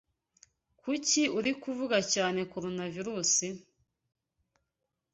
Kuki uri kuvuga cyane Coronavirus?